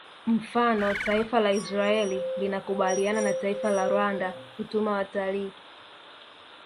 Mfano taifa la Israel linakubaliana na taifa la Rwanda kutuma watalii